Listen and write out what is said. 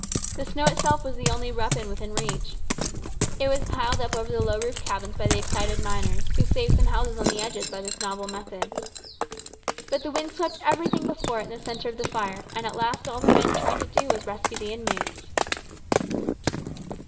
The snow itself was the only weapon within reach. It was piled over the low roofed cabins by the excited miners, who saved some houses on the edges by this novel method. But the wind swept everything before it in the centre of the fire, and at last all that the men tried to do was to rescue the inmates.